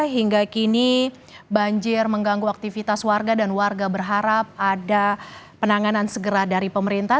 hingga kini banjir mengganggu aktivitas warga dan warga berharap ada penanganan segera dari pemerintah